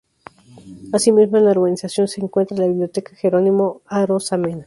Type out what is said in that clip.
Asimismo en la urbanización se encuentra la Biblioteca Jerónimo Arozamena.